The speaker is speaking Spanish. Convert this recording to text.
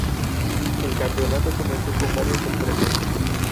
El campeonato comenzó con varias sorpresas.